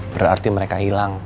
berarti mereka hilang